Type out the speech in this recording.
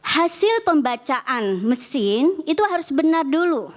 hasil pembacaan mesin itu harus benar dulu